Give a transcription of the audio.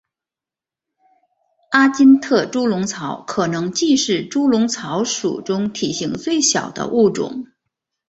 阿金特猪笼草可能既是猪笼草属中体型最小的物种。